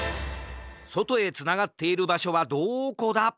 そとへつながっているばしょはどこだ？